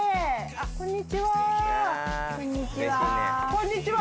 こんにちは。